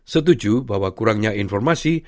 setuju bahwa kurangnya informasi